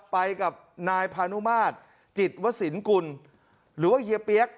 ไปกับนายพานุมาตรจิตวสินกุลหรือว่าเฮียเปี๊ยก